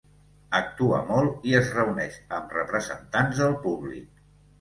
Actua molt i es reuneix amb representants del públic.